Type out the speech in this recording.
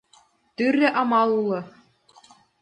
Тӱрлӧ амал уло.